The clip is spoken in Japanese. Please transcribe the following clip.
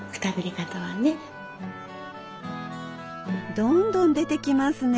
どんどん出てきますね！